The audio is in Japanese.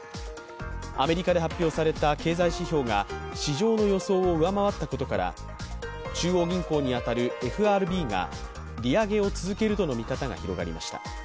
アメリカで発表された経済指標が市場の予想を上回ったことから中央銀行に当たるＦＲＢが利上げを続けるとの見方が広がりました。